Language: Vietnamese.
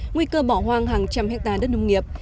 nguy cơ bỏ hoang hàng trăm hectare đất nông nghiệp